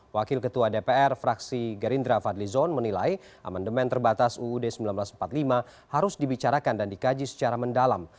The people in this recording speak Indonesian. wakil ketua dpr fraksi gerindra fadli zon menilai amendement terbatas uud seribu sembilan ratus empat puluh lima harus dibicarakan dan dikaji secara mendalam